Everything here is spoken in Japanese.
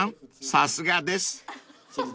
さすがです］